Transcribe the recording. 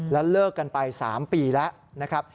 แล้วเลิกกันไป๓ปีแล้วนะครับ